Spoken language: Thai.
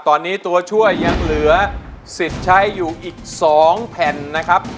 ตอนนี้ตัวช่วยยังเหลือสิทธิ์ใช้อยู่อีก๒แผ่นนะครับ